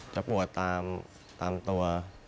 ปวดตามตัว